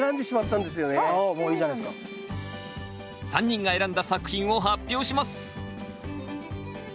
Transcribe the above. ３人が選んだ作品を発表します。